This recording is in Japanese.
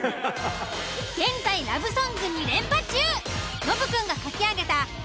現在ラブソング２連覇中。